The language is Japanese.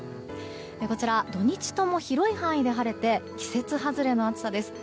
こちら、土日とも広い範囲で晴れて季節外れの暑さです。